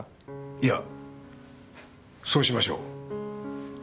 いやそうしましょう。